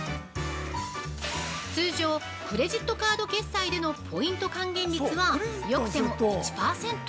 通常、クレジットカード決済でのポイント還元率はよくても１％。